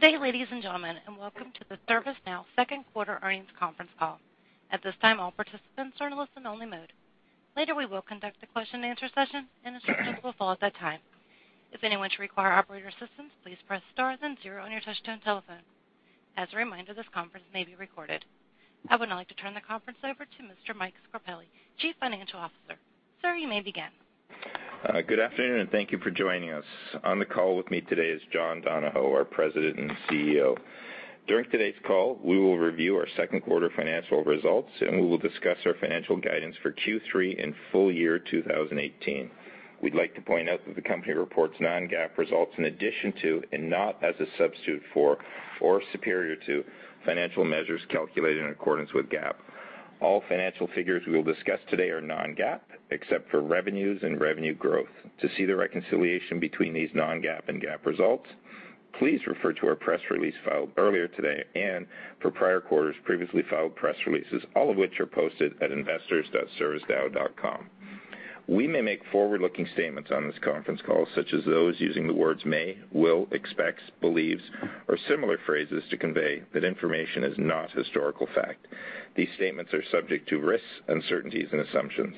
Good day, ladies and gentlemen, welcome to the ServiceNow second quarter earnings conference call. At this time, all participants are in listen only mode. Later, we will conduct a question and answer session, instructions will follow at that time. If anyone should require operator assistance, please press star then zero on your touchtone telephone. As a reminder, this conference may be recorded. I would now like to turn the conference over to Mr. Michael Scarpelli, Chief Financial Officer. Sir, you may begin. Good afternoon, thank you for joining us. On the call with me today is John Donahoe, our President and CEO. During today's call, we will review our second quarter financial results, we will discuss our financial guidance for Q3 and full year 2018. We'd like to point out that the company reports non-GAAP results in addition to, not as a substitute for or superior to, financial measures calculated in accordance with GAAP. All financial figures we will discuss today are non-GAAP, except for revenues and revenue growth. To see the reconciliation between these non-GAAP and GAAP results, please refer to our press release filed earlier today for prior quarters previously filed press releases, all of which are posted at investors.servicenow.com. We may make forward-looking statements on this conference call, such as those using the words may, will, expects, believes, or similar phrases to convey that information is not historical fact. These statements are subject to risks, uncertainties, and assumptions.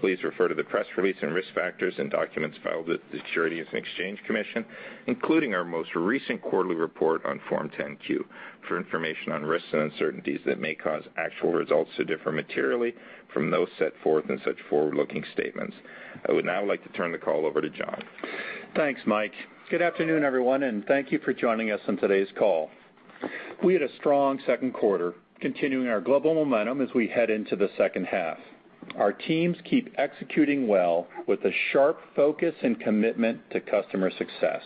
Please refer to the press release and risk factors and documents filed with the Securities and Exchange Commission, including our most recent quarterly report on Form 10-Q, for information on risks and uncertainties that may cause actual results to differ materially from those set forth in such forward-looking statements. I would now like to turn the call over to John. Thanks, Mike. Good afternoon, everyone, thank you for joining us on today's call. We had a strong second quarter, continuing our global momentum as we head into the second half. Our teams keep executing well with a sharp focus and commitment to customer success.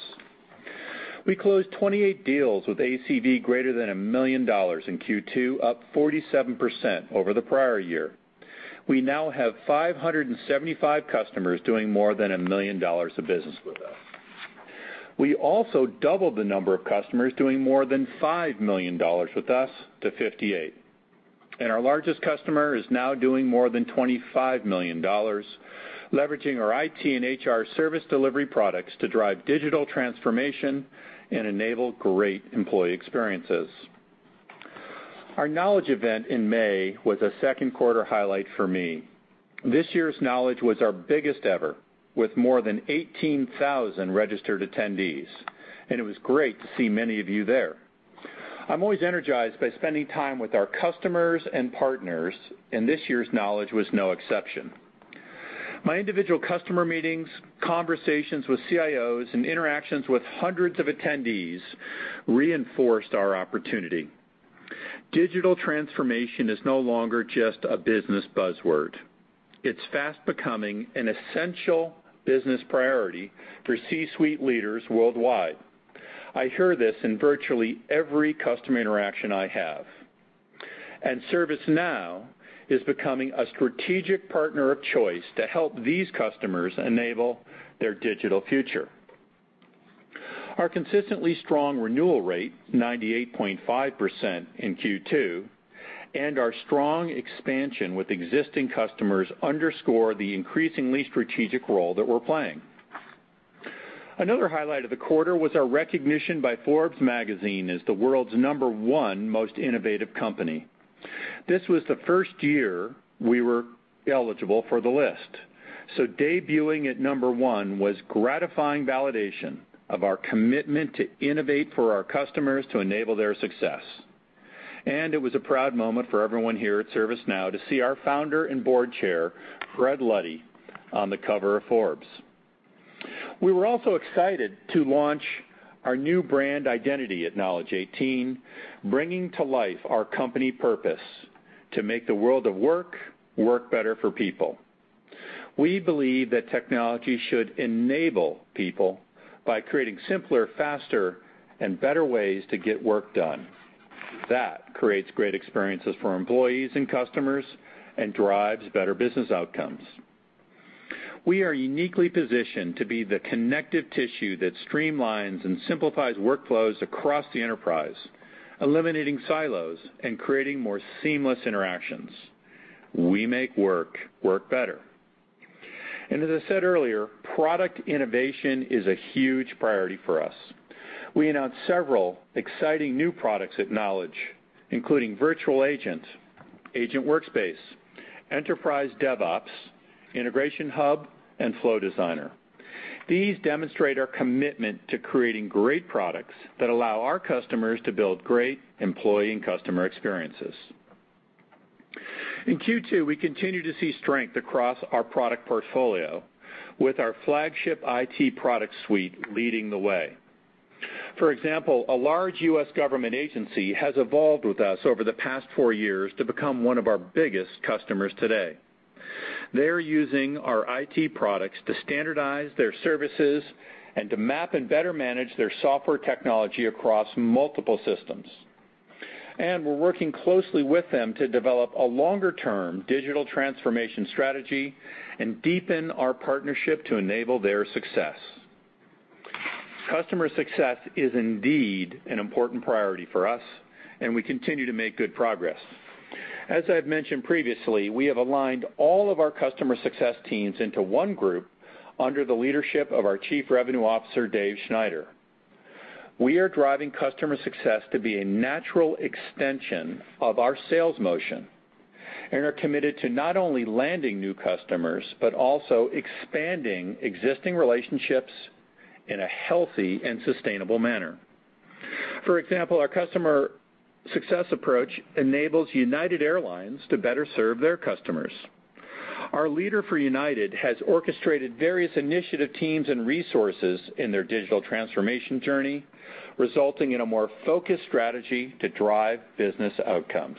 We closed 28 deals with ACV greater than $1 million in Q2, up 47% over the prior year. We now have 575 customers doing more than $1 million of business with us. We also doubled the number of customers doing more than $5 million with us to 58, our largest customer is now doing more than $25 million, leveraging our IT and HR Service Delivery products to drive digital transformation and enable great employee experiences. Our Knowledge event in May was a second quarter highlight for me. This year's Knowledge was our biggest ever, with more than 18,000 registered attendees, and it was great to see many of you there. I'm always energized by spending time with our customers and partners, and this year's Knowledge was no exception. My individual customer meetings, conversations with CIOs, and interactions with hundreds of attendees reinforced our opportunity. Digital transformation is no longer just a business buzzword. It's fast becoming an essential business priority for C-suite leaders worldwide. I hear this in virtually every customer interaction I have, and ServiceNow is becoming a strategic partner of choice to help these customers enable their digital future. Our consistently strong renewal rate, 98.5% in Q2, and our strong expansion with existing customers underscore the increasingly strategic role that we're playing. Another highlight of the quarter was our recognition by Forbes magazine as the world's number one most innovative company. This was the first year we were eligible for the list, so debuting at number one was gratifying validation of our commitment to innovate for our customers to enable their success. It was a proud moment for everyone here at ServiceNow to see our founder and Board Chair, Fred Luddy, on the cover of Forbes. We were also excited to launch our new brand identity at Knowledge18, bringing to life our company purpose to make the world of work better for people. We believe that technology should enable people by creating simpler, faster, and better ways to get work done. That creates great experiences for employees and customers and drives better business outcomes. We are uniquely positioned to be the connective tissue that streamlines and simplifies workflows across the enterprise, eliminating silos and creating more seamless interactions. We make work better. As I said earlier, product innovation is a huge priority for us. We announced several exciting new products at Knowledge, including Virtual Agent Workspace, Enterprise DevOps, Integration Hub, and Flow Designer. These demonstrate our commitment to creating great products that allow our customers to build great employee and customer experiences. In Q2, we continued to see strength across our product portfolio, with our flagship IT product suite leading the way. For example, a large U.S. government agency has evolved with us over the past four years to become one of our biggest customers today. They're using our IT products to standardize their services and to map and better manage their software technology across multiple systems. We're working closely with them to develop a longer-term digital transformation strategy and deepen our partnership to enable their success. Customer success is indeed an important priority for us, and we continue to make good progress. As I've mentioned previously, we have aligned all of our customer success teams into one group under the leadership of our Chief Revenue Officer, David Schneider. We are driving customer success to be a natural extension of our sales motion, and are committed to not only landing new customers, but also expanding existing relationships in a healthy and sustainable manner. For example, our customer success approach enables United Airlines to better serve their customers. Our leader for United has orchestrated various initiative teams and resources in their digital transformation journey, resulting in a more focused strategy to drive business outcomes.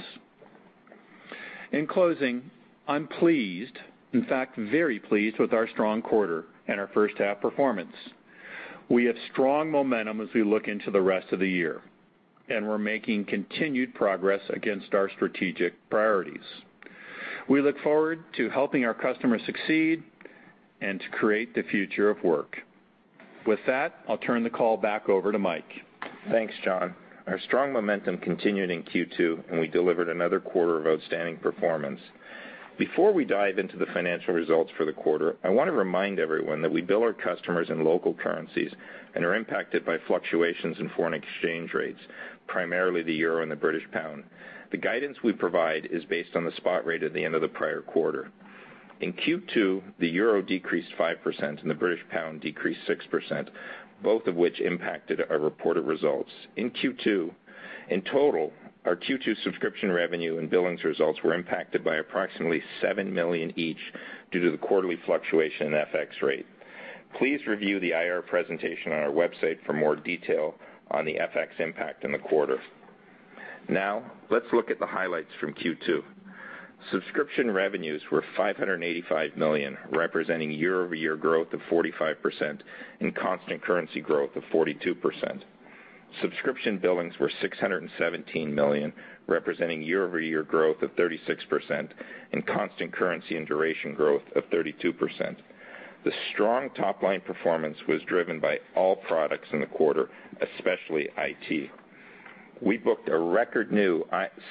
In closing, I'm pleased, in fact, very pleased, with our strong quarter and our first half performance. We have strong momentum as we look into the rest of the year, and we're making continued progress against our strategic priorities. We look forward to helping our customers succeed and to create the future of work. With that, I'll turn the call back over to Mike. Thanks, John. Our strong momentum continued in Q2, and we delivered another quarter of outstanding performance. Before we dive into the financial results for the quarter, I want to remind everyone that we bill our customers in local currencies and are impacted by fluctuations in foreign exchange rates, primarily the EUR and the GBP. The guidance we provide is based on the spot rate at the end of the prior quarter. In Q2, the EUR decreased 5% and the GBP decreased 6%, both of which impacted our reported results. In total, our Q2 subscription revenue and billings results were impacted by approximately $7 million each due to the quarterly fluctuation in FX rate. Please review the IR presentation on our website for more detail on the FX impact in the quarter. Let's look at the highlights from Q2. Subscription revenues were $585 million, representing year-over-year growth of 45% and constant currency growth of 42%. Subscription billings were $617 million, representing year-over-year growth of 36% and constant currency and duration growth of 32%. The strong top-line performance was driven by all products in the quarter, especially IT. We booked a record new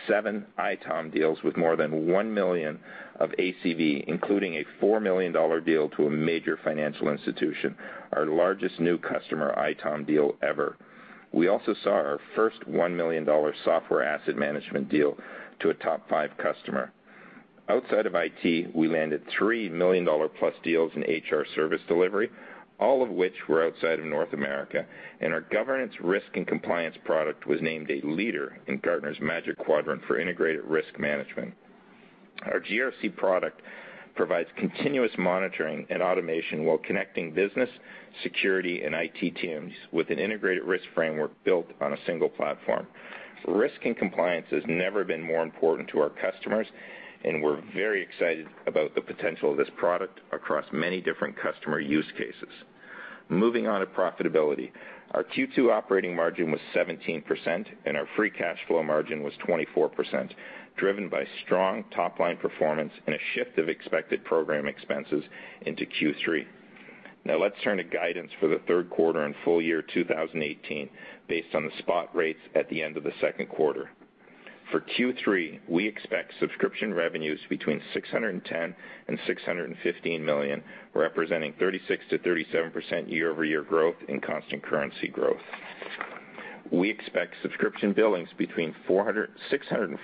seven ITOM deals with more than $1 million of ACV, including a $4 million deal to a major financial institution, our largest new customer ITOM deal ever. We also saw our first $1 million Software Asset Management deal to a top five customer. Outside of IT, we landed three million-dollar-plus deals in HR Service Delivery, all of which were outside of North America, and our Governance, Risk, and Compliance product was named a leader in Gartner's Magic Quadrant for integrated risk management. Our GRC product provides continuous monitoring and automation while connecting business, security, and IT teams with an integrated risk framework built on a single platform. Risk and compliance has never been more important to our customers, and we're very excited about the potential of this product across many different customer use cases. Moving on to profitability. Our Q2 operating margin was 17%, and our free cash flow margin was 24%, driven by strong top-line performance and a shift of expected program expenses into Q3. Let's turn to guidance for the third quarter and full year 2018 based on the spot rates at the end of the second quarter. For Q3, we expect subscription revenues between $610 million and $615 million, representing 36%-37% year-over-year growth in constant currency growth. We expect subscription billings between $648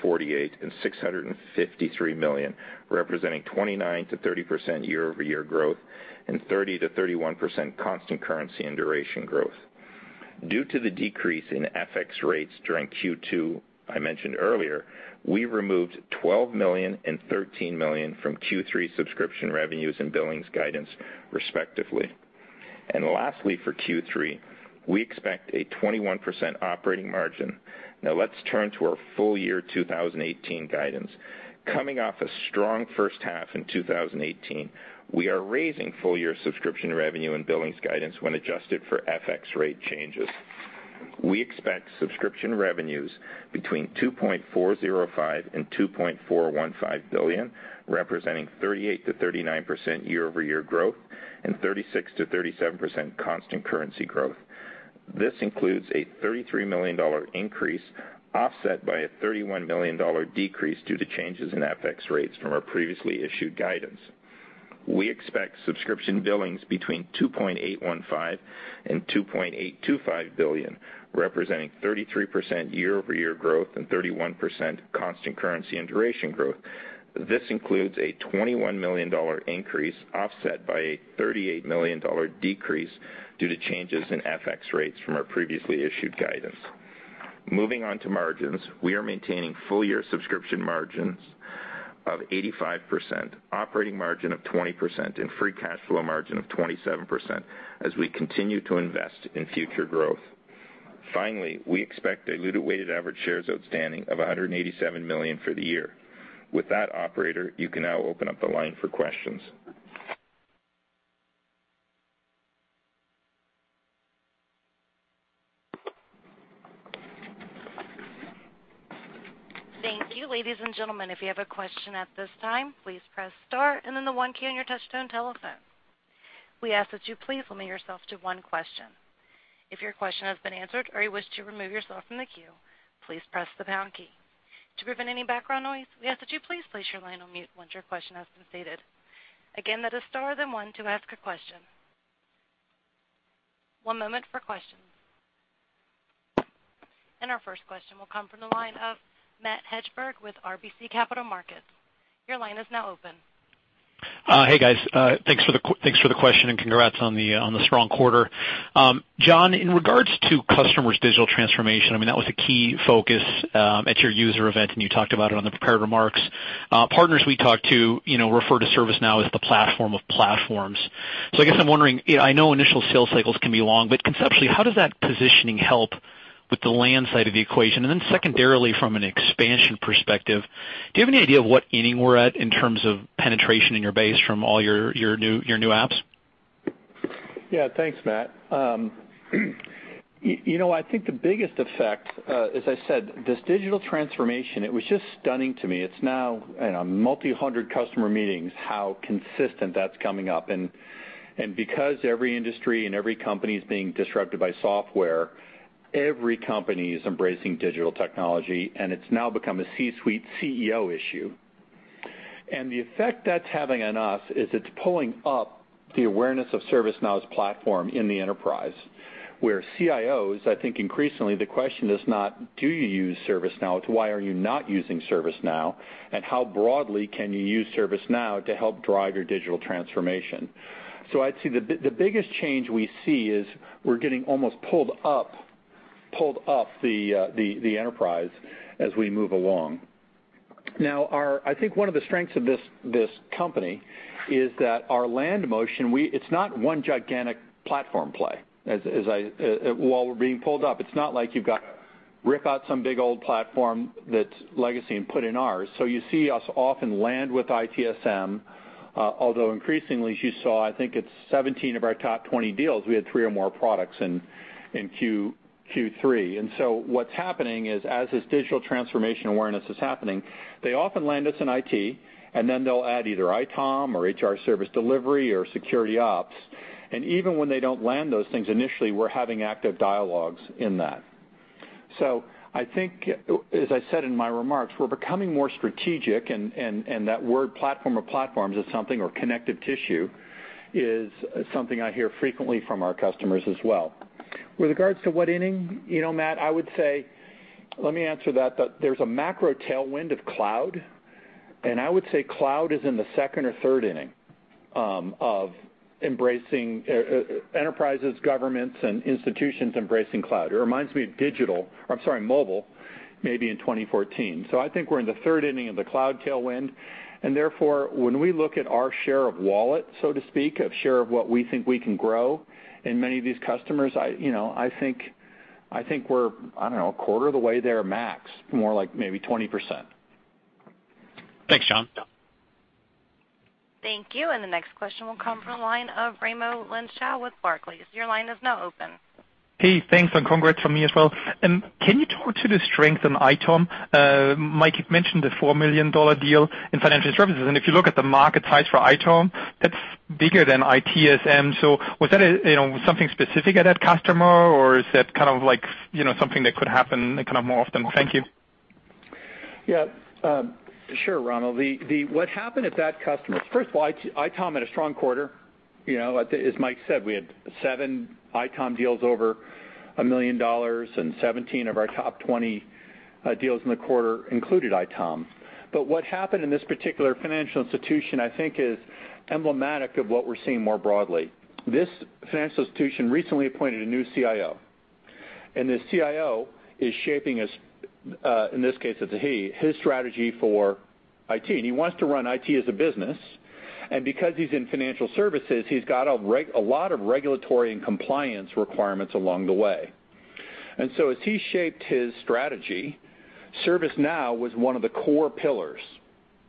million and $653 million, representing 29%-30% year-over-year growth and 30%-31% constant currency and duration growth. Due to the decrease in FX rates during Q2 I mentioned earlier, we removed $12 million and $13 million from Q3 subscription revenues and billings guidance, respectively. Lastly, for Q3, we expect a 21% operating margin. Let's turn to our full-year 2018 guidance. Coming off a strong first half in 2018, we are raising full-year subscription revenue and billings guidance when adjusted for FX rate changes. We expect subscription revenues between $2.405 billion and $2.415 billion, representing 38%-39% year-over-year growth and 36%-37% constant currency growth. This includes a $33 million increase offset by a $31 million decrease due to changes in FX rates from our previously issued guidance. We expect subscription billings between $2.815 billion and $2.825 billion, representing 33% year-over-year growth and 31% constant currency and duration growth. This includes a $21 million increase offset by a $38 million decrease due to changes in FX rates from our previously issued guidance. Moving on to margins. We are maintaining full-year subscription margins of 85%, operating margin of 20%, and free cash flow margin of 27% as we continue to invest in future growth. Finally, we expect a diluted weighted average shares outstanding of 187 million for the year. With that, operator, you can now open up the line for questions. Thank you. Ladies and gentlemen, if you have a question at this time, please press star and then the 1 key on your touch-tone telephone. We ask that you please limit yourself to one question. If your question has been answered or you wish to remove yourself from the queue, please press the pound key. To prevent any background noise, we ask that you please place your line on mute once your question has been stated. Again, that is star then 1 to ask a question. One moment for questions. Our first question will come from the line of Matt Hedberg with RBC Capital Markets. Your line is now open. Hey, guys. Thanks for the question and congrats on the strong quarter. John, in regards to customers' digital transformation, that was a key focus at your user event, and you talked about it on the prepared remarks. Partners we talked to refer to ServiceNow as the platform of platforms. I guess I'm wondering, I know initial sales cycles can be long, but conceptually, how does that positioning help with the land side of the equation? Secondarily, from an expansion perspective, do you have any idea of what inning we're at in terms of penetration in your base from all your new apps? Yeah. Thanks, Matt. I think the biggest effect, as I said, this digital transformation, it was just stunning to me. It's now multi-hundred customer meetings, how consistent that's coming up. Because every industry and every company is being disrupted by software, every company is embracing digital technology, and it's now become a C-suite CEO issue. The effect that's having on us is it's pulling up the awareness of ServiceNow's platform in the enterprise, where CIOs, I think increasingly the question is not do you use ServiceNow? It's why are you not using ServiceNow, and how broadly can you use ServiceNow to help drive your digital transformation? I'd say the biggest change we see is we're getting almost pulled up the enterprise as we move along. I think one of the strengths of this company is that our land motion, it's not one gigantic platform play, while we're being pulled up. It's not like you've got to rip out some big old platform that's legacy and put in ours. You see us often land with ITSM, although increasingly as you saw, I think it's 17 of our top 20 deals, we had three or more products in Q2. What's happening is as this digital transformation awareness is happening, they often land us in IT, and then they'll add either ITOM or HR Service Delivery or Security Operations. Even when they don't land those things initially, we're having active dialogues in that. I think, as I said in my remarks, we're becoming more strategic, and that word platform of platforms is something, or connective tissue, is something I hear frequently from our customers as well. With regards to what inning, Matt, I would say, let me answer that. There's a macro tailwind of cloud, I would say cloud is in the second or third inning of enterprises, governments, and institutions embracing cloud. It reminds me of mobile, maybe in 2014. I think we're in the third inning of the cloud tailwind, and therefore, when we look at our share of wallet, so to speak, of share of what we think we can grow in many of these customers, I think we're a quarter of the way there max, more like maybe 20%. Thanks, John. Thank you. The next question will come from the line of Raimo Lenschow with Barclays. Your line is now open. Hey, thanks, congrats from me as well. Can you talk to the strength in ITOM? Mike had mentioned the $4 million deal in financial services. If you look at the market size for ITOM, that's bigger than ITSM. Was that something specific at that customer, or is that something that could happen more often? Thank you. Yeah. Sure, Raimo. What happened at that customer, first of all, ITOM had a strong quarter. As Mike said, we had 7 ITOM deals over $1 million, 17 of our top 20 deals in the quarter included ITOM. What happened in this particular financial institution, I think, is emblematic of what we're seeing more broadly. This financial institution recently appointed a new CIO. This CIO is shaping his, in this case it's a he, his strategy for IT. He wants to run IT as a business. Because he's in financial services, he's got a lot of regulatory and compliance requirements along the way. As he shaped his strategy, ServiceNow was one of the core pillars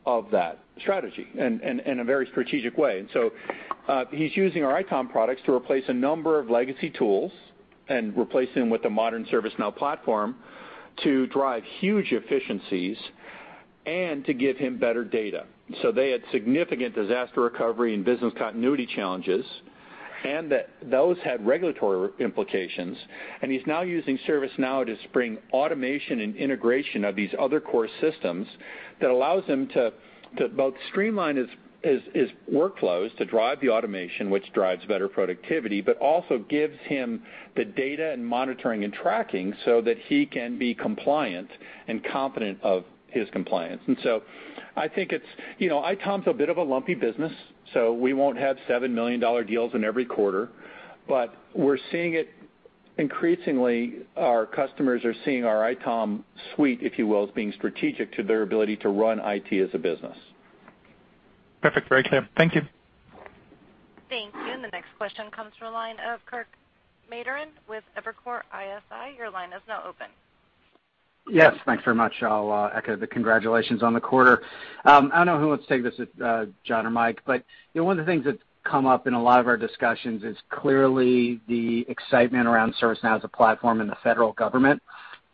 of that strategy in a very strategic way. He's using our ITOM products to replace a number of legacy tools and replace them with the modern ServiceNow platform to drive huge efficiencies and to give him better data. They had significant disaster recovery and business continuity challenges. Those had regulatory implications. He's now using ServiceNow to bring automation and integration of these other core systems that allows him to both streamline his workflows to drive the automation, which drives better productivity, but also gives him the data and monitoring and tracking so that he can be compliant and confident of his compliance. I think ITOM's a bit of a lumpy business, so we won't have $7 million deals in every quarter, but we're seeing it increasingly, our customers are seeing our ITOM suite, if you will, as being strategic to their ability to run IT as a business. Perfect. Very clear. Thank you. Thank you. The next question comes from the line of Kirk Materne with Evercore ISI. Your line is now open. Yes, thanks very much. I'll echo the congratulations on the quarter. I don't know who wants to take this, John or Mike, but one of the things that's come up in a lot of our discussions is clearly the excitement around ServiceNow as a platform in the federal government.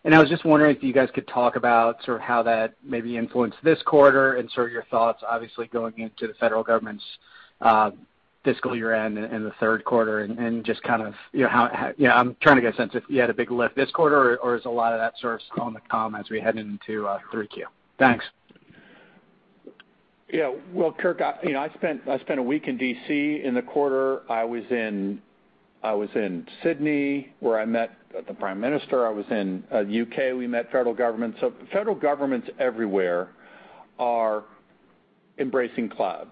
I was just wondering if you guys could talk about how that maybe influenced this quarter and your thoughts, obviously, going into the federal government's fiscal year-end in the third quarter. I'm trying to get a sense if you had a big lift this quarter, or is a lot of that sort of still on the come as we head into 3Q? Thanks. Yeah. Well, Kirk, I spent a week in D.C. in the quarter. I was in Sydney, where I met the prime minister. I was in the U.K. We met federal government. Federal governments everywhere are embracing cloud.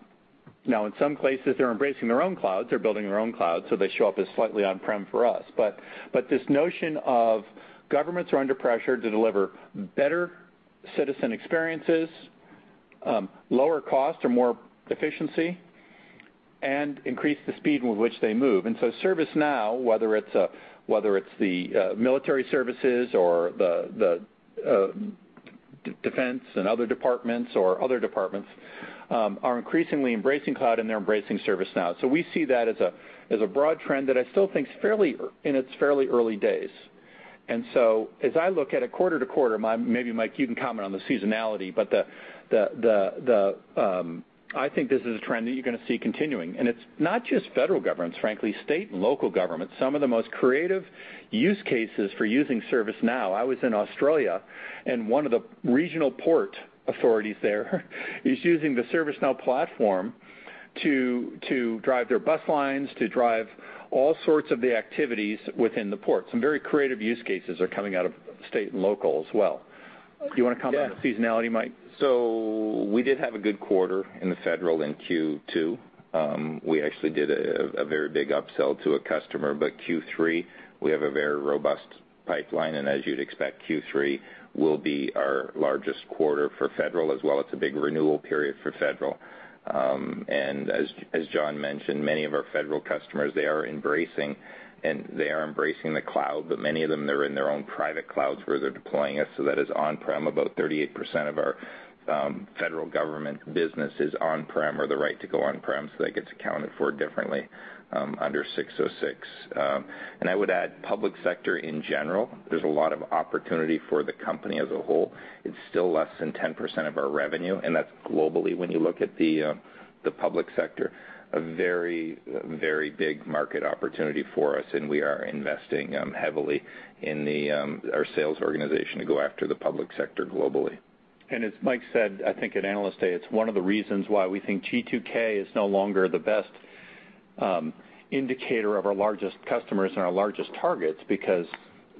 Now, in some places, they're embracing their own clouds. They're building their own clouds, so they show up as slightly on-prem for us. This notion of governments are under pressure to deliver better citizen experiences, lower cost or more efficiency, and increase the speed with which they move. ServiceNow, whether it's the military services or the defense and other departments, are increasingly embracing cloud, and they're embracing ServiceNow. We see that as a broad trend that I still think is in its fairly early days. As I look at it quarter to quarter, maybe Mike, you can comment on the seasonality, but I think this is a trend that you're going to see continuing. It's not just federal governments, frankly, state and local governments. Some of the most creative use cases for using ServiceNow. I was in Australia, and one of the regional port authorities there is using the ServiceNow platform to drive their bus lines, to drive all sorts of the activities within the port. Some very creative use cases are coming out of state and local as well. Do you want to comment- Yeah on the seasonality, Mike? We did have a good quarter in the federal in Q2. We actually did a very big upsell to a customer. Q3, we have a very robust pipeline, and as you'd expect, Q3 will be our largest quarter for federal, as well it's a big renewal period for federal. As John mentioned, many of our federal customers, they are embracing the cloud, but many of them, they're in their own private clouds where they're deploying it, so that is on-prem. About 38% of our federal government business is on-prem or the right to go on-prem, so that gets accounted for differently under 606. I would add public sector in general, there's a lot of opportunity for the company as a whole. It's still less than 10% of our revenue, that's globally when you look at the public sector, a very big market opportunity for us, we are investing heavily in our sales organization to go after the public sector globally. As Mike said, I think at Analyst Day, it's one of the reasons why we think G2K is no longer the best indicator of our largest customers and our largest targets, because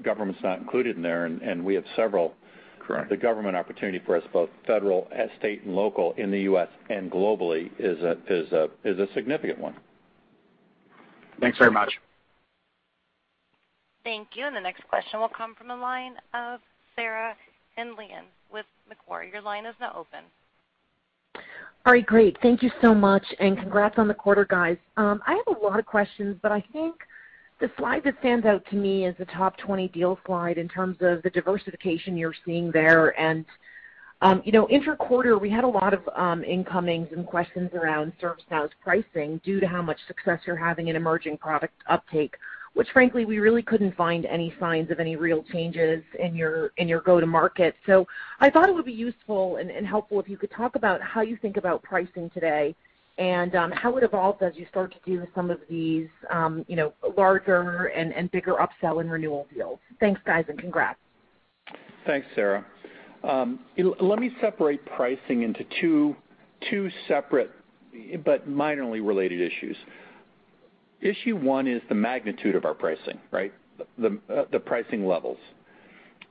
government's not included in there, and we have several. Correct. The government opportunity for us, both federal and state and local in the U.S. and globally is a significant one. Thanks very much. Thank you. The next question will come from the line of Sarah Hindlian with Macquarie. Your line is now open. All right, great. Thank you so much, and congrats on the quarter, guys. I have a lot of questions, but I think the slide that stands out to me is the top 20 deals slide in terms of the diversification you're seeing there. Inter-quarter, we had a lot of incomings and questions around ServiceNow's pricing due to how much success you're having in emerging product uptake, which frankly, we really couldn't find any signs of any real changes in your go-to-market. I thought it would be useful and helpful if you could talk about how you think about pricing today and how it evolves as you start to do some of these larger and bigger upsell and renewal deals. Thanks, guys, and congrats. Thanks, Sarah. Let me separate pricing into two separate but minorly related issues. Issue one is the magnitude of our pricing, the pricing levels.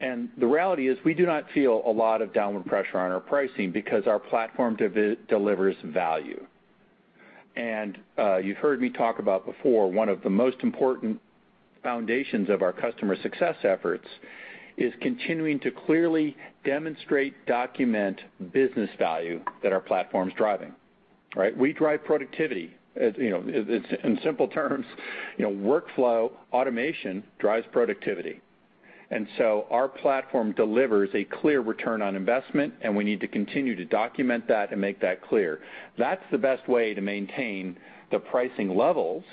The reality is we do not feel a lot of downward pressure on our pricing because our platform delivers value. You've heard me talk about before, one of the most important foundations of our customer success efforts is continuing to clearly demonstrate, document business value that our platform's driving. We drive productivity. In simple terms, workflow automation drives productivity. Our platform delivers a clear return on investment, and we need to continue to document that and make that clear. That's the best way to maintain the pricing levels,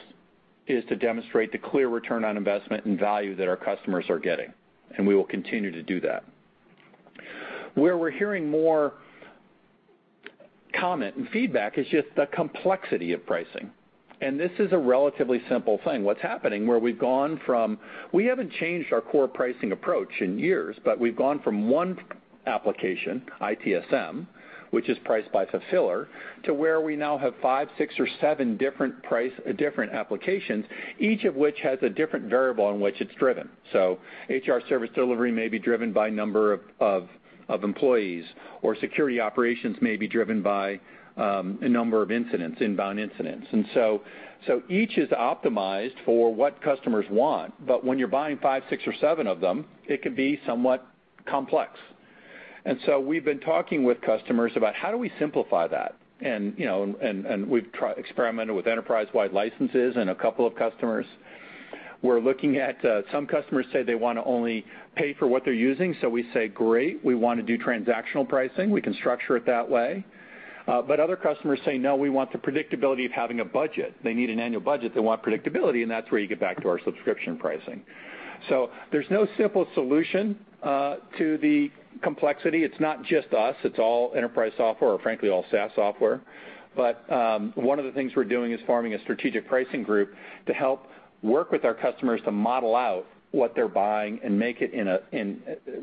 is to demonstrate the clear return on investment and value that our customers are getting, and we will continue to do that. Where we're hearing more comment and feedback is just the complexity of pricing, this is a relatively simple thing. What's happening, where we've gone from we haven't changed our core pricing approach in years, but we've gone from one application, ITSM, which is priced by fulfiller, to where we now have five, six, or seven different applications, each of which has a different variable on which it's driven. HR Service Delivery may be driven by number of employees, or Security Operations may be driven by a number of incidents, inbound incidents. Each is optimized for what customers want, but when you're buying five, six, or seven of them, it can be somewhat complex. We've been talking with customers about how do we simplify that? We've experimented with enterprise-wide licenses and a couple of customers. We're looking at some customers say they want to only pay for what they're using, we say, great, we want to do transactional pricing. We can structure it that way. Other customers say, no, we want the predictability of having a budget. They need an annual budget. They want predictability, that's where you get back to our subscription pricing. There's no simple solution to the complexity. It's not just us, it's all enterprise software, or frankly, all SaaS software. One of the things we're doing is forming a strategic pricing group to help work with our customers to model out what they're buying and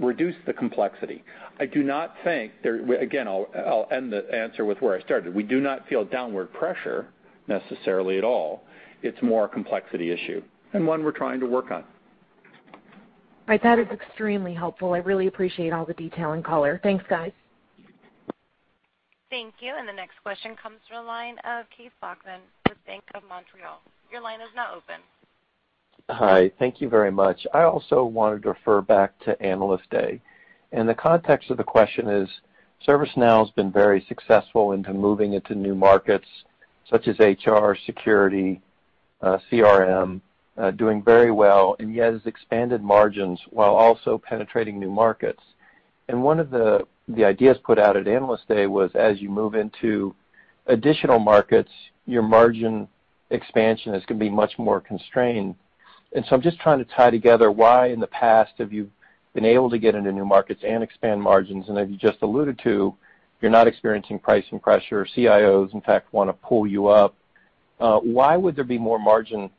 reduce the complexity. Again, I'll end the answer with where I started. We do not feel downward pressure necessarily at all. It's more a complexity issue and one we're trying to work on. Right. That is extremely helpful. I really appreciate all the detail and color. Thanks, guys. Thank you. The next question comes from the line of Keith Bachman with Bank of Montreal. Your line is now open. Hi. Thank you very much. I also wanted to refer back to Analyst Day. The context of the question is, ServiceNow has been very successful into moving into new markets such as HR, security, CRM, doing very well, and yet has expanded margins while also penetrating new markets. One of the ideas put out at Analyst Day was, as you move into additional markets, your margin expansion is going to be much more constrained. I'm just trying to tie together why, in the past, have you been able to get into new markets and expand margins? As you just alluded to, you're not experiencing pricing pressure. CIOs, in fact, want to pull you up. Why would there be more margin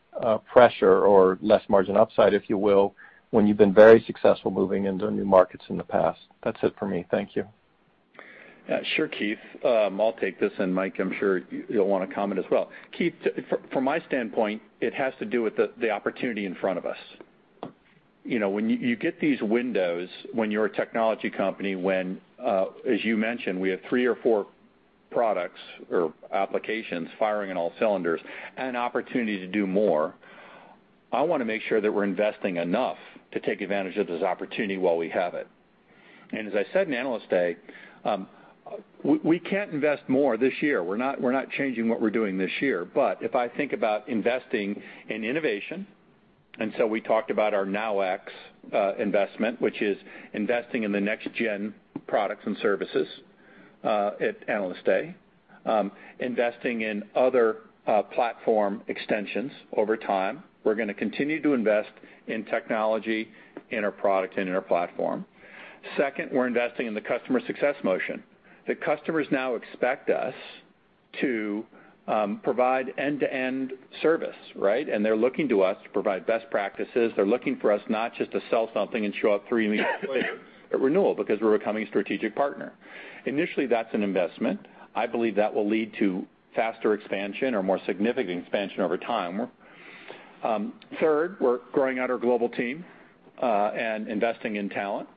pressure or less margin upside, if you will, when you've been very successful moving into new markets in the past? That's it for me. Thank you. Sure, Keith. I'll take this, and Mike, I'm sure you'll want to comment as well. Keith, from my standpoint, it has to do with the opportunity in front of us. When you get these windows, when you're a technology company, when, as you mentioned, we have three or four products or applications firing on all cylinders and an opportunity to do more, I want to make sure that we're investing enough to take advantage of this opportunity while we have it. As I said in Analyst Day, we can't invest more this year. We're not changing what we're doing this year. If I think about investing in innovation, we talked about our NowX investment, which is investing in the next gen products and services at Analyst Day, investing in other platform extensions over time. We're going to continue to invest in technology, in our product, and in our platform. Second, we're investing in the customer success motion. The customers now expect us to provide end-to-end service, right? They're looking to us to provide best practices. They're looking for us not just to sell something and show up three weeks later at renewal, because we're becoming a strategic partner. Initially, that's an investment. I believe that will lead to faster expansion or more significant expansion over time. Third, we're growing out our global team, and investing in talent.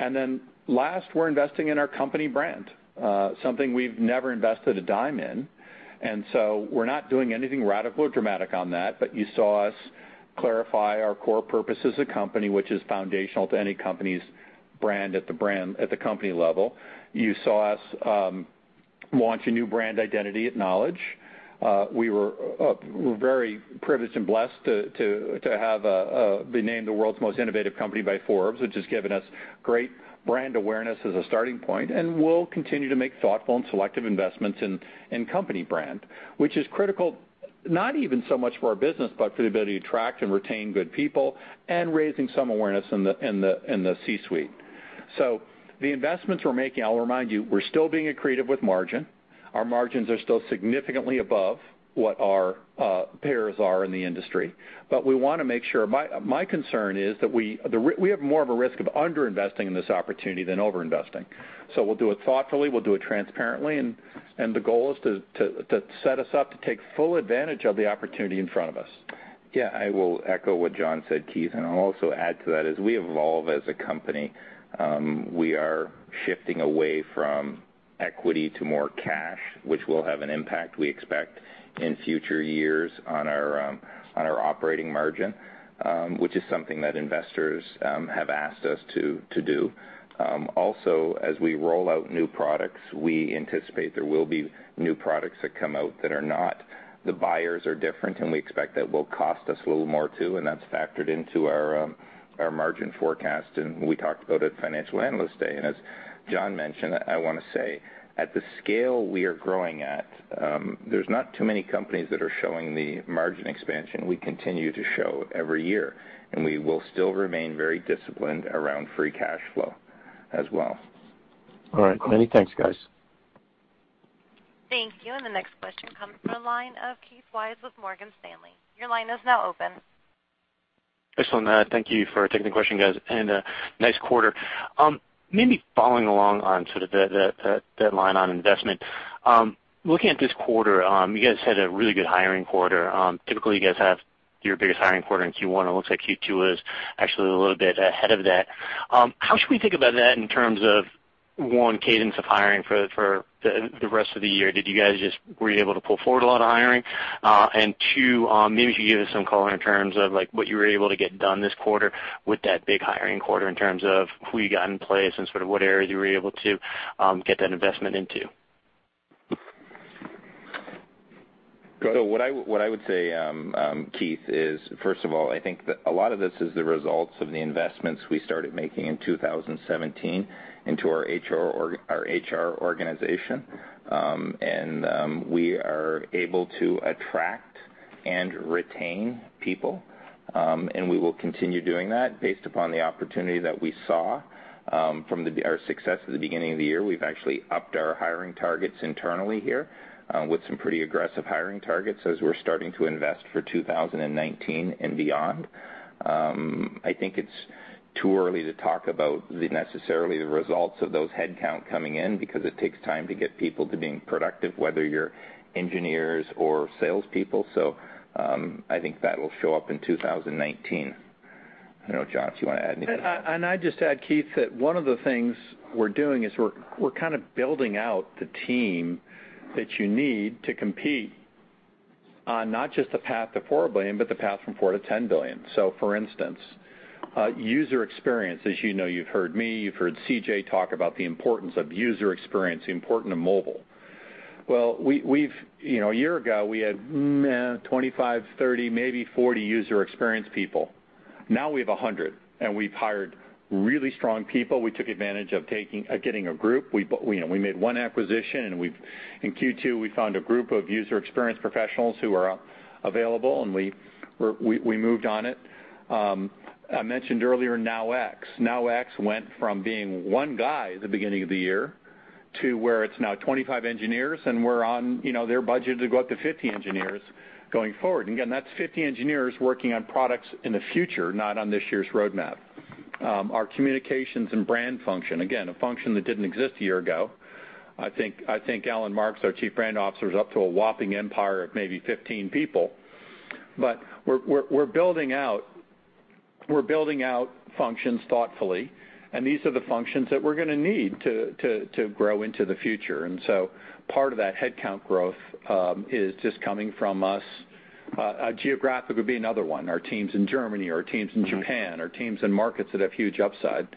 Then last, we're investing in our company brand, something we've never invested a dime in. We're not doing anything radical or dramatic on that. You saw us clarify our core purpose as a company, which is foundational to any company's brand at the company level. You saw us launch a new brand identity at Knowledge. We were very privileged and blessed to have been named the world's most innovative company by Forbes, which has given us great brand awareness as a starting point. We'll continue to make thoughtful and selective investments in company brand, which is critical, not even so much for our business, but for the ability to attract and retain good people and raising some awareness in the C-suite. The investments we're making, I'll remind you, we're still being accretive with margin. Our margins are still significantly above what our peers are in the industry. My concern is that we have more of a risk of under-investing in this opportunity than over-investing. We'll do it thoughtfully, we'll do it transparently, the goal is to set us up to take full advantage of the opportunity in front of us. Yeah. I will echo what John said, Keith, I'll also add to that, as we evolve as a company, we are shifting away from equity to more cash, which will have an impact, we expect, in future years on our operating margin, which is something that investors have asked us to do. As we roll out new products, we anticipate there will be new products that come out that are the buyers are different, we expect that will cost us a little more too, that's factored into our margin forecast. We talked about it at Financial Analyst Day. As John mentioned, I want to say, at the scale we are growing at, there's not too many companies that are showing the margin expansion we continue to show every year, we will still remain very disciplined around free cash flow as well. All right. Many thanks, guys. Thank you. The next question comes from the line of Keith Weiss with Morgan Stanley. Your line is now open. Excellent. Thank you for taking the question, guys, and nice quarter. Maybe following along on sort of that line on investment. Looking at this quarter, you guys had a really good hiring quarter. Typically, you guys have your biggest hiring quarter in Q1. It looks like Q2 is actually a little bit ahead of that. How should we think about that in terms of, one, cadence of hiring for the rest of the year? Were you able to pull forward a lot of hiring? Two, maybe if you could give us some color in terms of what you were able to get done this quarter with that big hiring quarter in terms of who you got in place and sort of what areas you were able to get that investment into. What I would say, Keith, is first of all, I think that a lot of this is the results of the investments we started making in 2017 into our HR organization, and we are able to attract and retain people. We will continue doing that based upon the opportunity that we saw from our success at the beginning of the year. We've actually upped our hiring targets internally here with some pretty aggressive hiring targets as we're starting to invest for 2019 and beyond. I think it's too early to talk about necessarily the results of those headcount coming in, because it takes time to get people to being productive, whether you're engineers or salespeople. I think that'll show up in 2019. I don't know, John, if you want to add anything. I'd just add, Keith, that one of the things we're doing is we're kind of building out the team that you need to compete on not just the path to $4 billion, but the path from $4 billion-$10 billion. For instance, user experience. As you know, you've heard me, you've heard CJ talk about the importance of user experience, important to mobile. A year ago, we had 25, 30, maybe 40 user experience people. Now we have 100, and we've hired really strong people. We took advantage of getting a group. We made one acquisition, and in Q2, we found a group of user experience professionals who were available, and we moved on it. I mentioned earlier NowX. NowX went from being one guy at the beginning of the year to where it's now 25 engineers, and they're budgeted to go up to 50 engineers going forward. Again, that's 50 engineers working on products in the future, not on this year's roadmap. Our communications and brand function, again, a function that didn't exist a year ago. I think Alan Marks, our Chief Brand Officer, is up to a whopping empire of maybe 15 people. We're building out functions thoughtfully, and these are the functions that we're going to need to grow into the future. Part of that headcount growth is just coming from us. Geographic would be another one. Our teams in Germany, our teams in Japan, our teams in markets that have huge upside.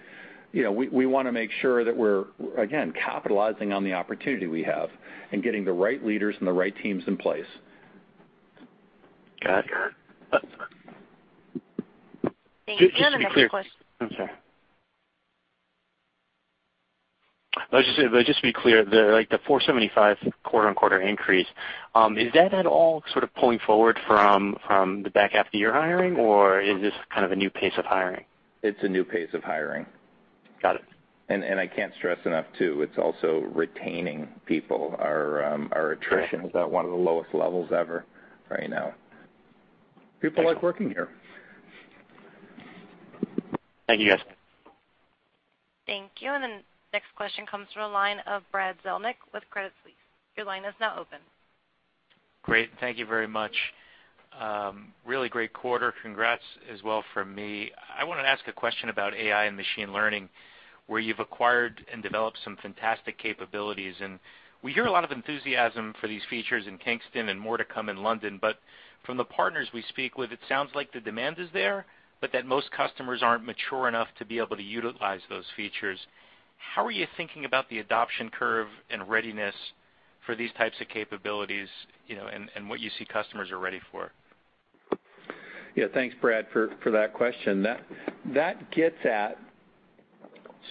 We want to make sure that we're, again, capitalizing on the opportunity we have and getting the right leaders and the right teams in place. Got it. Thank you. Another question. Just to be clear. I'm sorry. Just to be clear, the 475 quarter-on-quarter increase, is that at all sort of pulling forward from the back half of the year hiring, or is this kind of a new pace of hiring? It's a new pace of hiring. Got it. I can't stress enough, too, it's also retaining people. Our attrition- Got it is at one of the lowest levels ever right now. Excellent. People like working here. Thank you, guys. Thank you. The next question comes from the line of Brad Zelnick with Credit Suisse. Your line is now open. Great. Thank you very much. Really great quarter. Congrats as well from me. I want to ask a question about AI and machine learning, where you've acquired and developed some fantastic capabilities, and we hear a lot of enthusiasm for these features in Kingston and more to come in London. From the partners we speak with, it sounds like the demand is there, but that most customers aren't mature enough to be able to utilize those features. How are you thinking about the adoption curve and readiness for these types of capabilities, and what you see customers are ready for? Yeah. Thanks, Brad, for that question. That gets at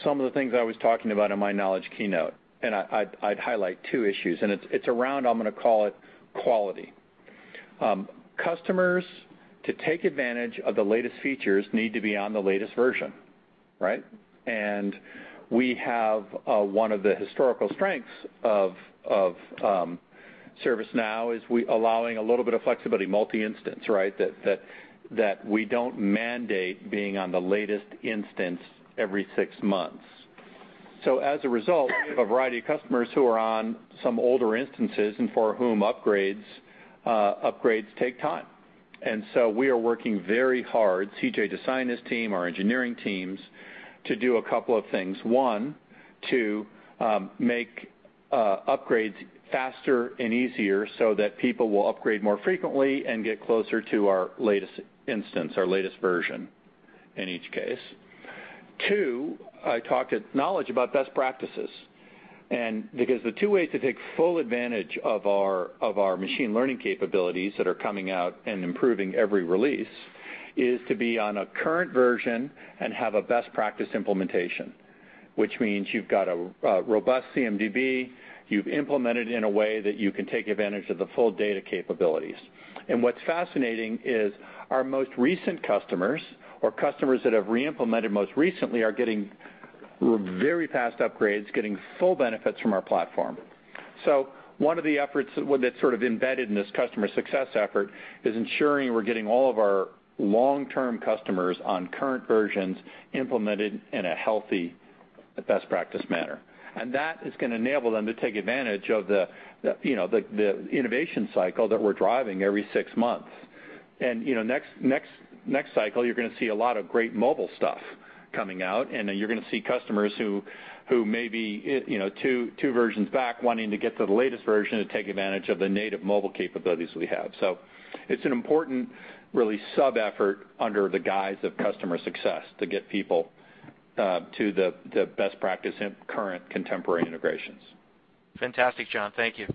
some of the things I was talking about in my Knowledge keynote, and I'd highlight two issues, and it's around, I'm going to call it quality. Customers, to take advantage of the latest features, need to be on the latest version, right? One of the historical strengths of ServiceNow is allowing a little bit of flexibility, multi-instance, right? That we don't mandate being on the latest instance every six months. As a result, we have a variety of customers who are on some older instances and for whom upgrades take time. We are working very hard, CJ to sign his team, our engineering teams, to do a couple of things. One, to make upgrades faster and easier so that people will upgrade more frequently and get closer to our latest instance, our latest version in each case. Two, I talked at Knowledge about best practices. Because the two ways to take full advantage of our machine learning capabilities that are coming out and improving every release is to be on a current version and have a best practice implementation. Which means you've got a robust CMDB, you've implemented it in a way that you can take advantage of the full data capabilities. What's fascinating is our most recent customers or customers that have reimplemented most recently are getting very fast upgrades, getting full benefits from our platform. One of the efforts that's sort of embedded in this customer success effort is ensuring we're getting all of our long-term customers on current versions implemented in a healthy best practice manner. That is going to enable them to take advantage of the innovation cycle that we're driving every six months. Next cycle, you're going to see a lot of great mobile stuff coming out, then you're going to see customers who may be two versions back wanting to get to the latest version to take advantage of the native mobile capabilities we have. It's an important, really, sub-effort under the guise of customer success to get people to the best practice in current contemporary integrations. Fantastic, John. Thank you.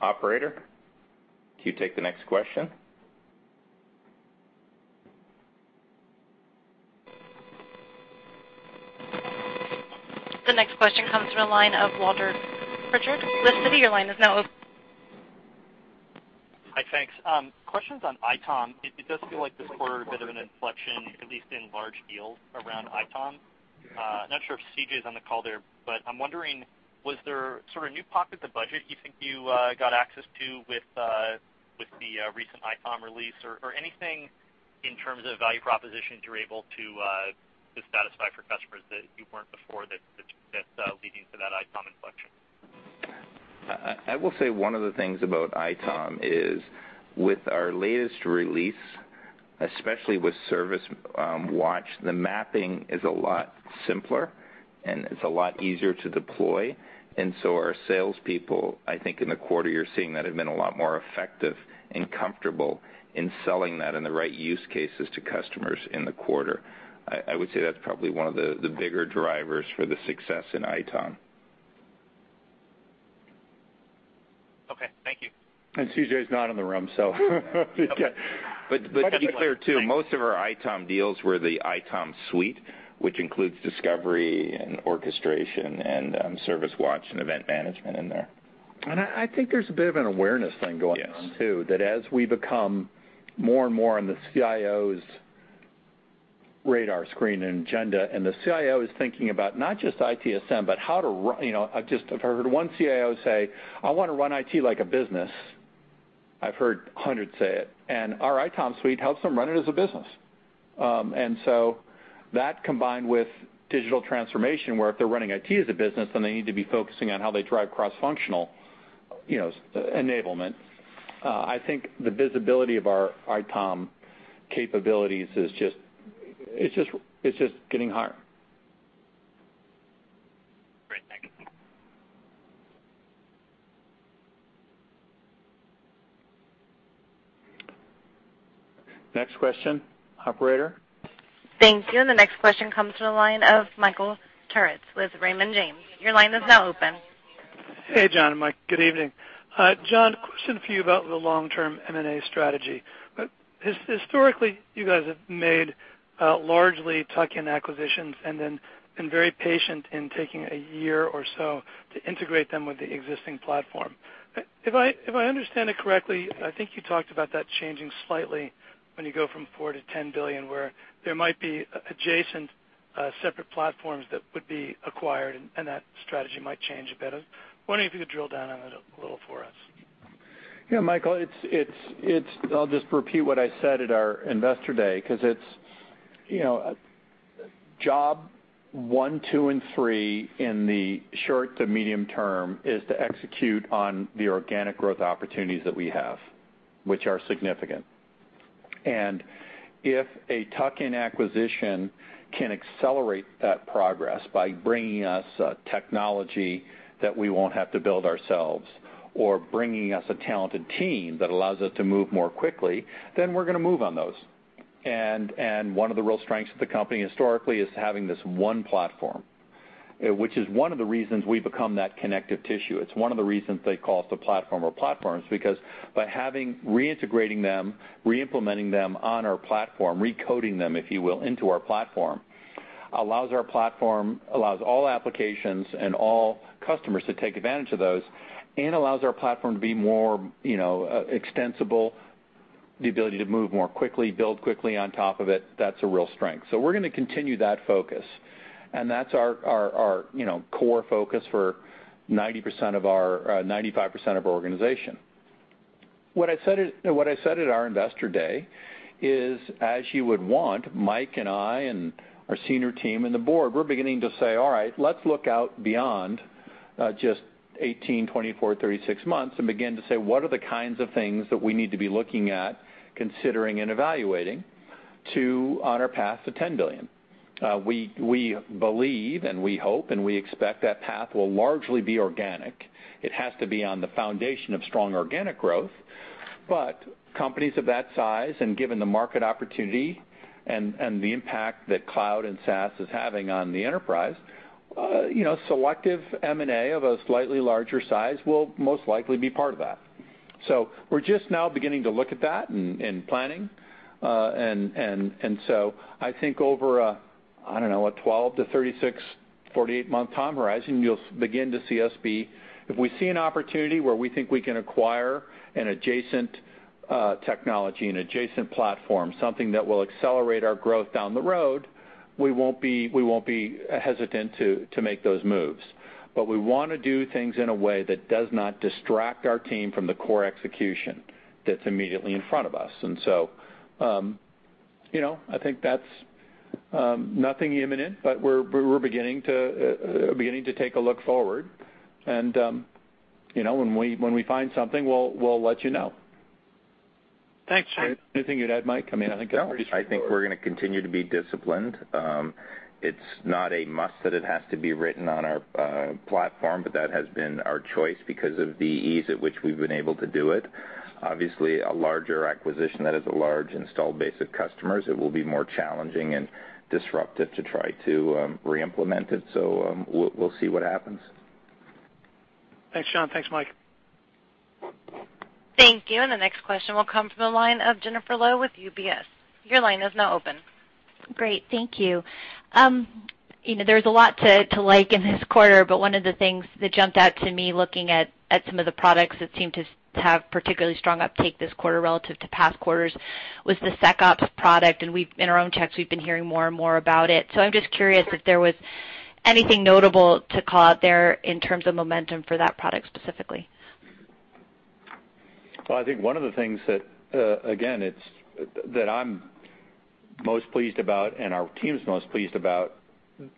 Operator, can you take the next question? The next question comes from the line of Walter Pritchard with Citi. Your line is now open. Hi. Thanks. Question's on ITOM. It does feel like this quarter, a bit of an inflection, at least in large deals around ITOM. Not sure if CJ's on the call there, but I'm wondering, was there sort of new pockets of budget you think you got access to with the recent ITOM release? Anything in terms of value propositions you're able to satisfy for customers that you weren't before that's leading to that ITOM inflection? I will say one of the things about ITOM is with our latest release, especially with ServiceWatch, the mapping is a lot simpler, and it's a lot easier to deploy. Our salespeople, I think in the quarter, you're seeing that have been a lot more effective and comfortable in selling that in the right use cases to customers in the quarter. I would say that's probably one of the bigger drivers for the success in ITOM. Okay. Thank you. CJ's not in the room, so yeah. Okay. Either way, thanks. To be clear, too, most of our ITOM deals were the ITOM suite, which includes discovery and orchestration and ServiceWatch and event management in there. I think there's a bit of an awareness thing going on, too. Yes. That as we become more and more on the CIO's radar screen and agenda, and the CIO is thinking about not just ITSM, but how to run-- I've heard one CIO say, "I want to run IT like a business." I've heard hundreds say it, and our ITOM suite helps them run it as a business. That combined with digital transformation, where if they're running IT as a business, then they need to be focusing on how they drive cross-functional enablement. I think the visibility of our ITOM capabilities is just getting higher. Great. Thank you. Next question, operator. Thank you. The next question comes from the line of Michael Turits with Raymond James. Your line is now open. Hey, John and Mike. Good evening. John, question for you about the long-term M&A strategy. Historically, you guys have made largely tuck-in acquisitions and then been very patient in taking a year or so to integrate them with the existing platform. If I understand it correctly, I think you talked about that changing slightly when you go from $4 billion to $10 billion, where there might be adjacent separate platforms that would be acquired, and that strategy might change a bit. I was wondering if you could drill down on it a little for us. Yeah, Mike, I'll just repeat what I said at our Analyst Day, because job 1, 2, and 3 in the short to medium term is to execute on the organic growth opportunities that we have, which are significant. If a tuck-in acquisition can accelerate that progress by bringing us technology that we won't have to build ourselves or bringing us a talented team that allows us to move more quickly, then we're going to move on those. One of the real strengths of the company historically is having this one platform, which is one of the reasons we've become that connective tissue. It's one of the reasons they call us the platform of platforms, because by reintegrating them, re-implementing them on our platform, recoding them, if you will, into our platform, allows all applications and all customers to take advantage of those and allows our platform to be more extensible, the ability to move more quickly, build quickly on top of it. That's a real strength. We're going to continue that focus, and that's our core focus for 95% of our organization. What I said at our Analyst Day is, as you would want, Mike and I and our senior team and the board, we're beginning to say, "All right, let's look out beyond just 18, 24, 36 months and begin to say, what are the kinds of things that we need to be looking at, considering and evaluating to on our path to $10 billion?" We believe and we hope and we expect that path will largely be organic. It has to be on the foundation of strong organic growth. Companies of that size, and given the market opportunity and the impact that cloud and SaaS is having on the enterprise, selective M&A of a slightly larger size will most likely be part of that. We're just now beginning to look at that and planning. I think over a, I don't know, what, 12 to 36, 48-month time horizon, you'll begin to see us. If we see an opportunity where we think we can acquire an adjacent technology, an adjacent platform, something that will accelerate our growth down the road, we won't be hesitant to make those moves. We want to do things in a way that does not distract our team from the core execution that's immediately in front of us. I think that's nothing imminent, but we're beginning to take a look forward. When we find something, we'll let you know. Thanks, John. Anything you'd add, Mike? I think I pretty much covered. No, I think we're going to continue to be disciplined. It's not a must that it has to be written on our platform, but that has been our choice because of the ease at which we've been able to do it. Obviously, a larger acquisition that has a large install base of customers, it will be more challenging and disruptive to try to re-implement it. We'll see what happens. Thanks, John. Thanks, Mike. Thank you. The next question will come from the line of Jennifer Lowe with UBS. Your line is now open. Great. Thank you. There's a lot to like in this quarter, but one of the things that jumped out to me looking at some of the products that seem to have particularly strong uptake this quarter relative to past quarters was the SecOps product. In our own checks, we've been hearing more and more about it. I'm just curious if there was anything notable to call out there in terms of momentum for that product specifically. Well, I think one of the things that, again, that I'm most pleased about and our team's most pleased about,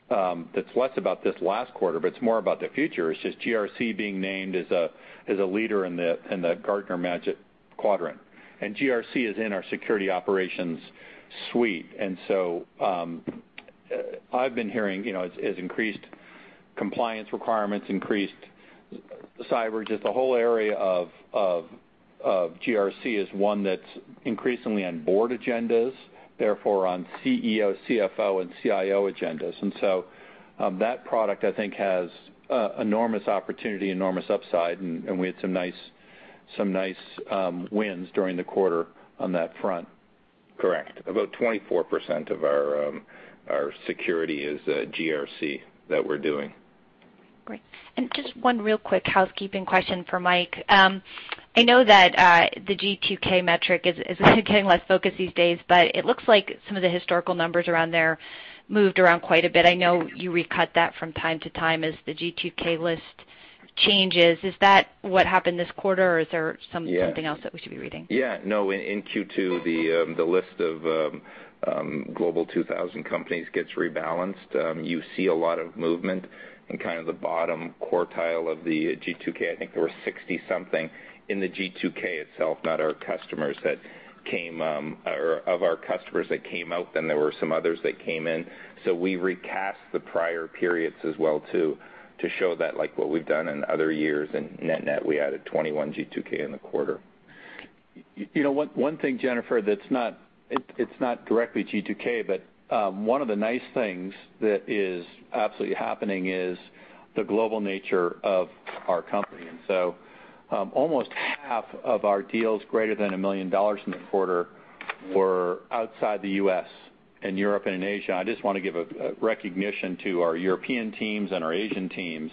that's less about this last quarter, but it's more about the future, is just GRC being named as a leader in the Gartner Magic Quadrant. GRC is in our Security Operations suite. I've been hearing as increased compliance requirements, increased cyber, just the whole area of GRC is one that's increasingly on board agendas, therefore on CEO, CFO, and CIO agendas. That product, I think, has enormous opportunity, enormous upside, and we had some nice wins during the quarter on that front. Correct. About 24% of our security is GRC that we're doing. Great. Just one real quick housekeeping question for Mike. I know that the G2K metric is getting less focus these days, it looks like some of the historical numbers around there moved around quite a bit. I know you recut that from time to time as the G2K list changes. Is that what happened this quarter, or is there something else that we should be reading? Yeah. No, in Q2, the list of Global 2000 companies gets rebalanced. You see a lot of movement in kind of the bottom quartile of the G2K. I think there were 60-something in the G2K itself, not our customers, of our customers that came out, there were some others that came in. We recast the prior periods as well too to show that like what we've done in other years, net, we added 21 G2K in the quarter. One thing, Jennifer, it's not directly G2K, one of the nice things that is absolutely happening is the global nature of our company. Almost half of our deals greater than $1 million in the quarter were outside the U.S. in Europe and in Asia. I just want to give a recognition to our European teams and our Asian teams.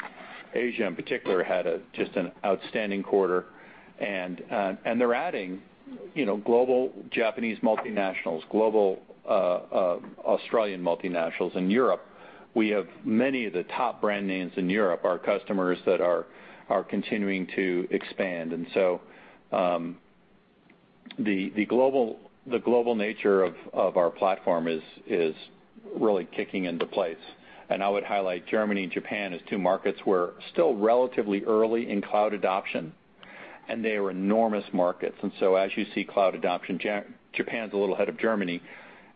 Asia, in particular, had just an outstanding quarter, they're adding global Japanese multinationals, global Australian multinationals. In Europe, we have many of the top brand names in Europe, our customers that are continuing to expand. The global nature of our platform is really kicking into place. I would highlight Germany and Japan as two markets who are still relatively early in cloud adoption, they are enormous markets. As you see cloud adoption, Japan's a little ahead of Germany.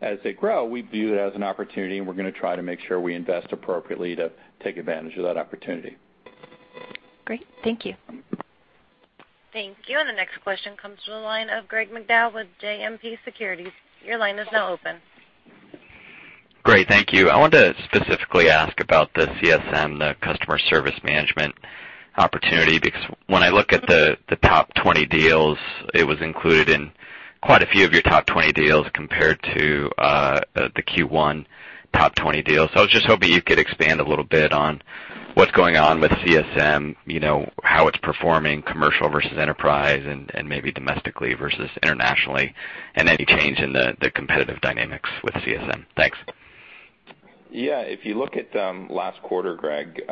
As they grow, we view it as an opportunity. We're going to try to make sure we invest appropriately to take advantage of that opportunity. Great. Thank you. Thank you. The next question comes from the line of Greg McDowell with JMP Securities. Your line is now open. Great. Thank you. I wanted to specifically ask about the CSM, the Customer Service Management opportunity, because when I look at the top 20 deals, it was included in quite a few of your top 20 deals compared to the Q1 top 20 deals. I was just hoping you could expand a little bit on what's going on with CSM, how it's performing commercial versus enterprise and maybe domestically versus internationally, and any change in the competitive dynamics with CSM. Thanks. Yeah. If you look at last quarter, Greg,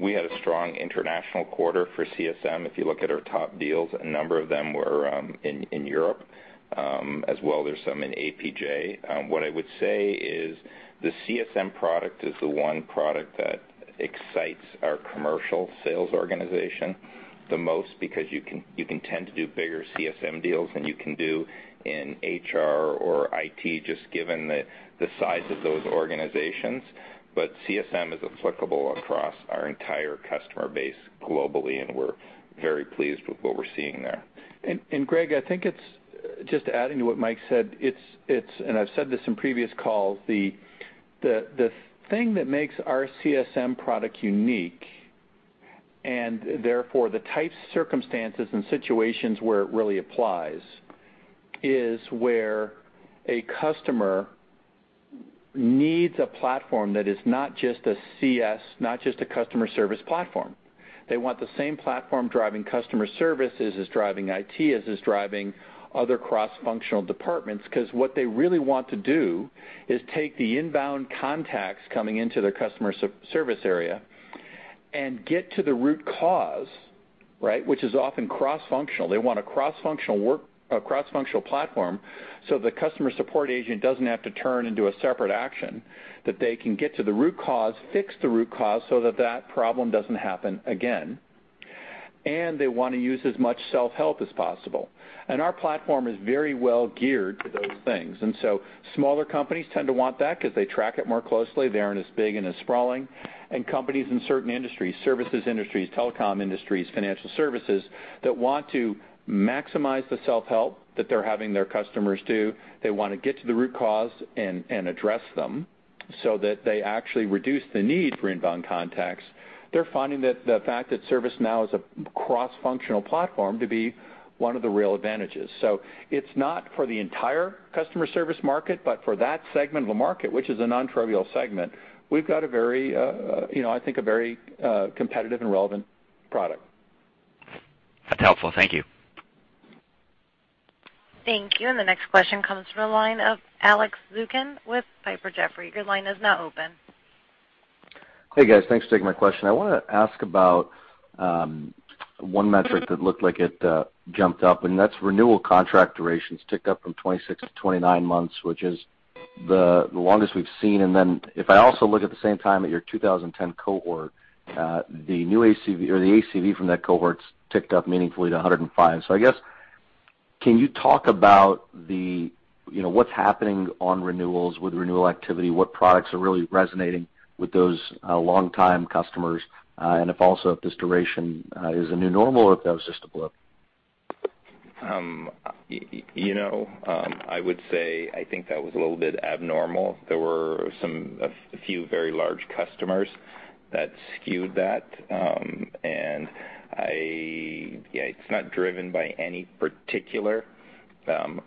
we had a strong international quarter for CSM. If you look at our top deals, a number of them were in Europe. As well, there's some in APJ. What I would say is the CSM product is the one product that excites our commercial sales organization the most because you can tend to do bigger CSM deals than you can do in HR or IT, just given the size of those organizations. CSM is applicable across our entire customer base globally, and we're very pleased with what we're seeing there. Greg, I think it's just adding to what Mike said, I've said this in previous calls, the thing that makes our CSM product unique, and therefore the types, circumstances, and situations where it really applies, is where a customer needs a platform that is not just a customer service platform. They want the same platform driving customer services as driving IT, as is driving other cross-functional departments. What they really want to do is take the inbound contacts coming into their customer service area and get to the root cause, which is often cross-functional. They want a cross-functional platform so the customer support agent doesn't have to turn into a separate action, that they can get to the root cause, fix the root cause so that that problem doesn't happen again. They want to use as much self-help as possible. Our platform is very well geared to those things. Smaller companies tend to want that because they track it more closely. They aren't as big and as sprawling. Companies in certain industries, services industries, telecom industries, financial services, that want to maximize the self-help that they're having their customers do. They want to get to the root cause and address them. That they actually reduce the need for inbound contacts. They're finding that the fact that ServiceNow is a cross-functional platform to be one of the real advantages. It's not for the entire customer service market, but for that segment of the market, which is a nontrivial segment, we've got, I think, a very competitive and relevant product. That's helpful. Thank you. Thank you. The next question comes from the line of Alex Zukin with Piper Jaffray. Your line is now open. Hey, guys. Thanks for taking my question. I want to ask about one metric that looked like it jumped up, that's renewal contract durations ticked up from 26-29 months, which is the longest we've seen. If I also look at the same time at your 2010 cohort, the ACV from that cohort's ticked up meaningfully to [$105 million]. I guess, can you talk about what's happening on renewals with renewal activity? What products are really resonating with those long-time customers? If also if this duration is a new normal or if that was just a blip. I would say, I think that was a little bit abnormal. There were a few very large customers that skewed that. It's not driven by any particular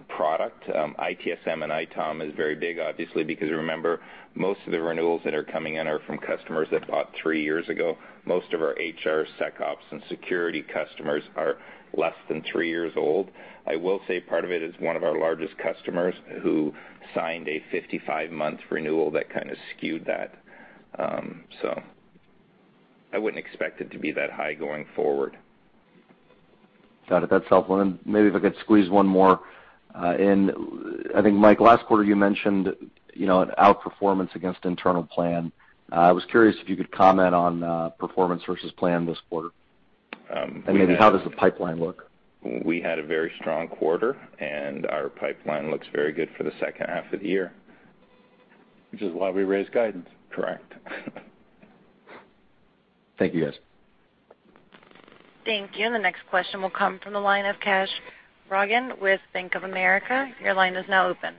product. ITSM and ITOM is very big, obviously, because remember, most of the renewals that are coming in are from customers that bought three years ago. Most of our HR, SecOps, and security customers are less than three years old. I will say part of it is one of our largest customers who signed a 55-month renewal that kind of skewed that. I wouldn't expect it to be that high going forward. Got it. That's helpful. Maybe if I could squeeze one more in. I think, Mike, last quarter, you mentioned, an outperformance against internal plan. I was curious if you could comment on performance versus plan this quarter. Maybe how does the pipeline look? We had a very strong quarter, and our pipeline looks very good for the second half of the year. Which is why we raised guidance. Correct. Thank you, guys. Thank you. The next question will come from the line of Kash Rangan with Bank of America. Your line is now open.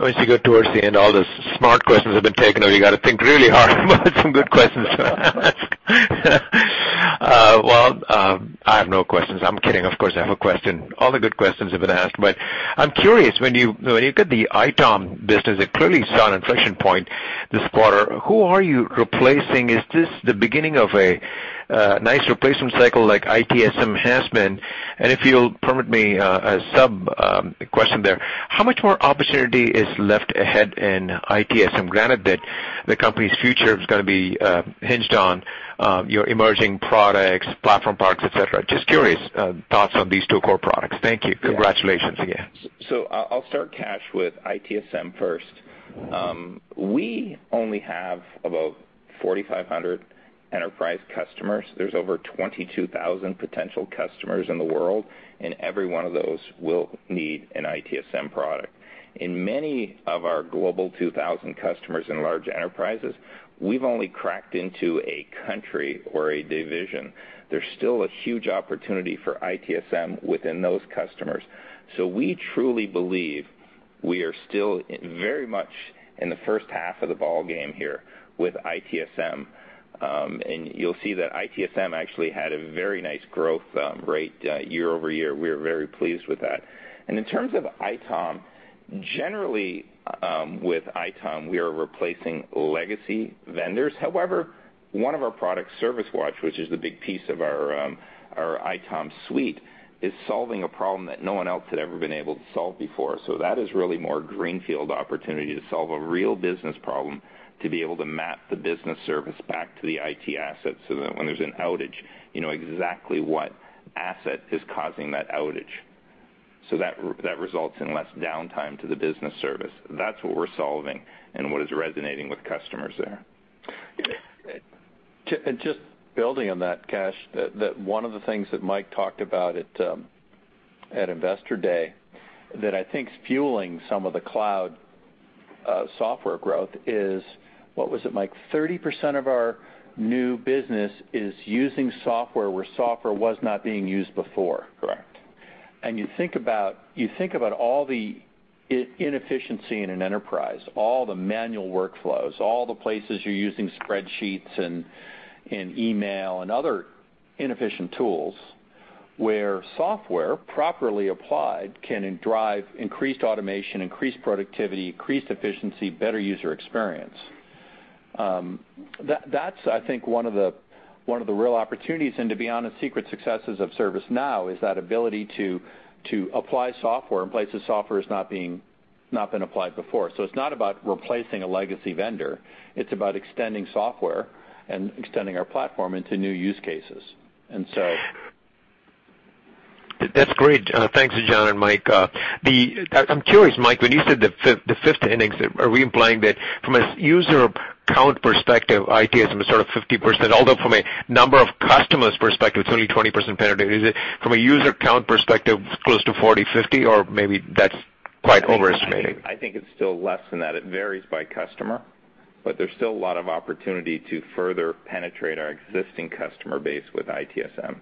Once you get towards the end, all the smart questions have been taken, or you got to think really hard about some good questions to ask. Well, I have no questions. I'm kidding. Of course, I have a question. All the good questions have been asked, but I'm curious when you look at the ITOM business, it clearly saw an inflection point this quarter. Who are you replacing? Is this the beginning of a nice replacement cycle like ITSM has been? If you'll permit me a sub-question there, how much more opportunity is left ahead in ITSM, granted that the company's future is going to be hinged on your emerging products, platform products, et cetera? Just curious, thoughts on these two core products. Thank you. Congratulations again. I'll start, Kash, with ITSM first. We only have about 4,500 enterprise customers. There's over 22,000 potential customers in the world, and every one of those will need an ITSM product. In many of our Global 2000 customers in large enterprises, we've only cracked into a country or a division. There's still a huge opportunity for ITSM within those customers. We truly believe we are still very much in the first half of the ballgame here with ITSM. You'll see that ITSM actually had a very nice growth rate year-over-year. We are very pleased with that. In terms of ITOM, generally, with ITOM, we are replacing legacy vendors. However, one of our products, ServiceWatch, which is the big piece of our ITOM suite, is solving a problem that no one else had ever been able to solve before. That is really more greenfield opportunity to solve a real business problem, to be able to map the business service back to the IT asset so that when there's an outage, you know exactly what asset is causing that outage. That results in less downtime to the business service. That's what we're solving and what is resonating with customers there. Just building on that, Kash, that one of the things that Mike talked about at Analyst Day that I think is fueling some of the cloud software growth is, what was it, Mike? 30% of our new business is using software where software was not being used before. Correct. You think about all the inefficiency in an enterprise, all the manual workflows, all the places you're using spreadsheets and email and other inefficient tools, where software properly applied, can drive increased automation, increased productivity, increased efficiency, better user experience. That's, I think, one of the real opportunities, and to be honest, secret successes of ServiceNow is that ability to apply software in places software has not been applied before. It's not about replacing a legacy vendor. It's about extending software and extending our platform into new use cases. That's great. Thanks, John and Mike. I'm curious, Mike, when you said the fifth innings, are we implying that from a user count perspective, ITSM is sort of 50%, although from a number of customers perspective, it's only 20% penetrated, is it from a user count perspective, close to 40%, 50%, or maybe that's quite overestimating? I think it's still less than that. It varies by customer, but there's still a lot of opportunity to further penetrate our existing customer base with ITSM.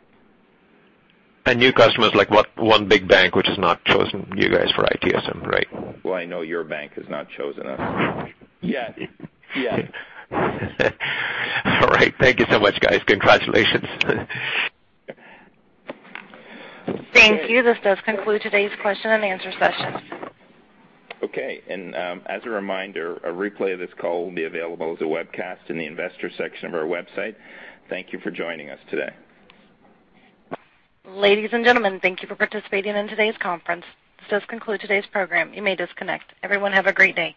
New customers, like what one big bank which has not chosen you guys for ITSM, right? Well, I know your bank has not chosen us. Yet. Yet. All right. Thank you so much, guys. Congratulations. Thank you. This does conclude today's question and answer session. Okay. As a reminder, a replay of this call will be available as a webcast in the Investors section of our website. Thank you for joining us today. Ladies and gentlemen, thank you for participating in today's conference. This does conclude today's program. You may disconnect. Everyone have a great day.